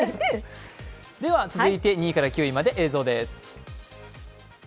続いて、２位から９位まで映像です。